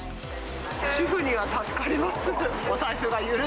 主婦には助かります。